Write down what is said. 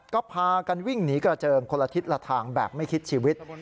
ก็พากันวิ่งหนีกระเจิงคนละทิศละทางแบบไม่คิดชีวิต